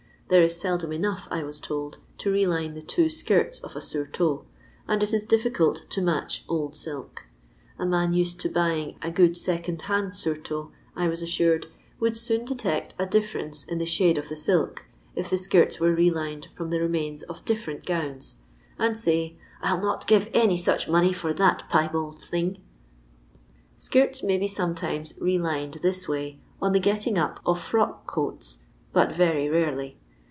There is seldom enough, I was told, to re line the two skirU of a surtout, and it is difficult to match old silk; a man used to buying a good second hand surtout, I was assured, would soon detect a difference in the shade of the silk, if the skirts were re lined from the remains of different gowns, and say, " 1 11 not give any such money for that piebald thing." LONDON LABOUR AND THE LONDON POOR. 38 Skirti may be sometiinei re lined this way on the getting up of frock coatfy but rery rarely.